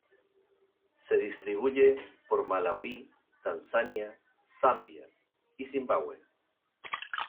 Se distribuye por Malaui, Tanzania, Zambia y Zimbabue.